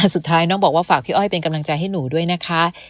สุดท้ายน้องบอกว่าฝากพี่อ้อยเป็นกำลังใจให้หนูด้วยนะคะ